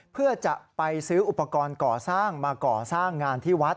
เพื่อจะไปซื้ออุปกรณ์ก่อสร้างมาก่อสร้างงานที่วัด